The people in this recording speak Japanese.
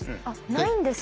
ないんですか？